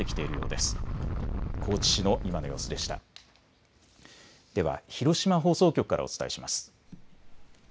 では広島放送局からお伝えします。